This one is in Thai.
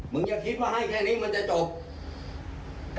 อย่าคิดว่าให้แค่นี้มันจะจบ